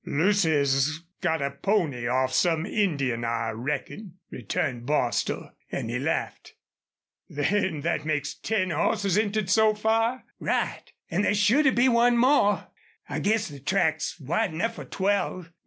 "Lucy's got a pony off some Indian, I reckon," returned Bostil, and he laughed. "Then thet makes ten hosses entered so far?" "Right. An' there's sure to be one more. I guess the track's wide enough for twelve."